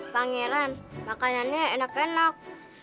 pangeran makanannya enak enak